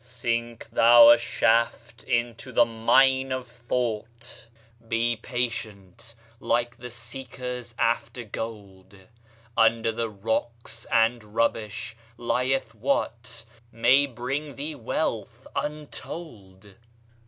Sink thou a shaft into the mine of thought; Be patient, like the seekers after gold; Under the rocks and rubbish lieth what May bring thee wealth untold.